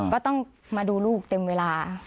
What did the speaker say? ก็ต้องมาดูลูกเต็มเวลา